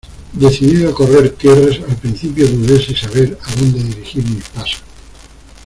decidido a correr tierras, al principio dudé sin saber a dónde dirigir mis pasos: